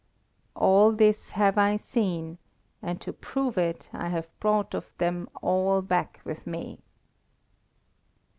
"All this have I seen, and to prove it I have brought of them all back with me."